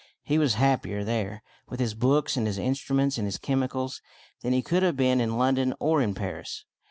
He was happier there, with his books and his instru m e n t s and his chemi cals, than he could have been in London or in Paris.